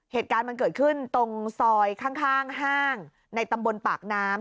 เหตุการณ์มันเกิดขึ้นตรงซอยข้างห้างในตำบลปากน้ำ